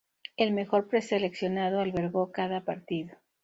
El mejor preseleccionado albergó cada partido.